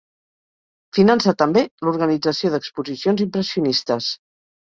Finança també l'organització d'exposicions impressionistes.